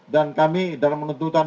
dan kami dalam penuntutan